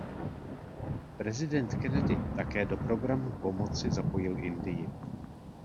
Prezident Kennedy také do programu pomoci zapojil Indii.